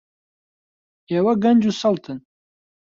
ئێوە گەنج و سەڵتن.